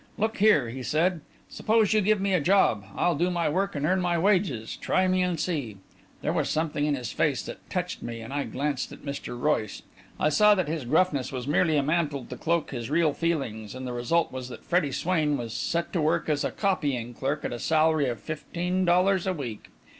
"Look here," he said, "suppose you give me a job. I'll do my work and earn my wages try me and see." There was something in his face that touched me, and I glanced at Mr. Royce. I saw that his gruffness was merely a mantle to cloak his real feelings; and the result was that Freddie Swain was set to work as a copying clerk at a salary of fifteen dollars a week.